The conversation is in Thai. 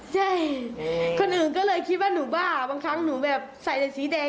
ใช่คนอื่นก็เลยคิดว่าหนูบ้าบางครั้งหนูแบบใส่แต่สีแดง